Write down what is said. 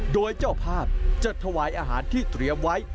โดยเจ้าภาพจะถวายอาหารที่เตรียมไว้